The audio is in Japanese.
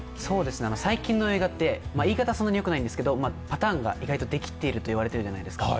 最近の映画って、言い方はそんなによくないですけどパターンができているじゃないですか。